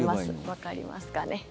わかりますかね。